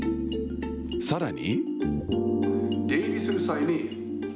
さらに。